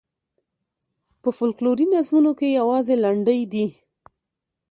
په فوکلوري نظمونو کې یوازې لنډۍ دي.